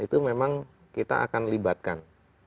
itu memang kita akan libatkan